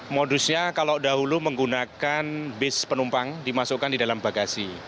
modusnya kalau dahulu menggunakan bis penumpang dimasukkan di dalam bagasi